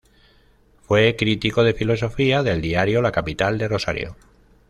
Fue crítico de filosofía del Diario La Capital de Rosario.